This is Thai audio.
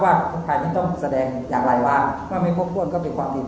ว่าหรือใครไม่ต้องแสดงอย่างไรละว่าว่าไม่ควบควรก็เป็นความผิด